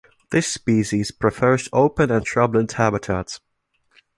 This species prefers open and shrubland habitats.